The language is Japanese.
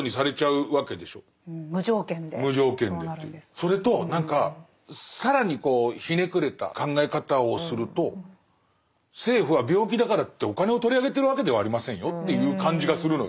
それと更にひねくれた考え方をすると政府は病気だからといってお金を取り上げてるわけではありませんよっていう感じがするのよ。